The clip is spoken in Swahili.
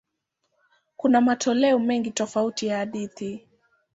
Kuna matoleo mengi tofauti ya hadithi.